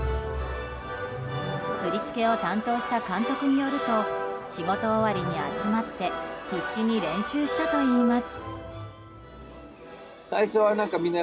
振り付けを担当した監督によると仕事終わりに集まって必死に練習したといいます。